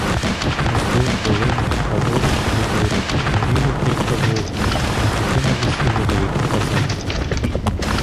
Уздовж долини, праворуч і ліворуч, горіло кілька вогнищ, над якими висіли великі казани.